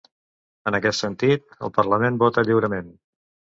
En aquest sentit, el parlament vota lliurement.